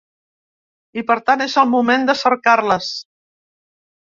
I, per tant, és el moment de cercar-les.